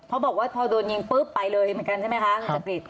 บอกว่าพอโดนยิงปุ๊บไปเลยเหมือนกันใช่ไหมคะคุณจักริต